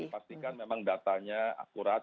iya kami pastikan memang datanya akurat